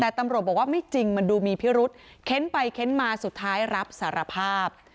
แต่ตำรวจบอกว่าไม่จริงมันดูมีพิรุษเค้นไปเค้นมาสุดท้ายรับสารภาพ